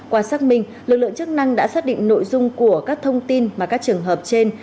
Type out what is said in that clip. qua xác minh lực lượng chức năng đã xác định nội dung của các thông tin mà các trường hợp trên